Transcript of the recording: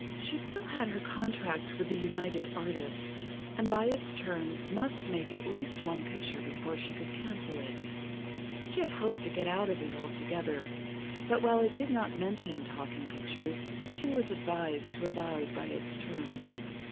She still had her contract with the United Artists, and by its terms must make at least one picture before she could cancel it. She had hoped to get out of it altogether; but while it did not mention talking pictures, she was advised to abide by the terms.